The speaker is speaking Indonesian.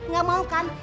gak mau kan